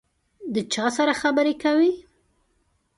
د چا سره خبري کوې ؟